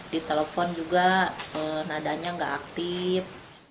ditelepon juga nadanya nggak aktif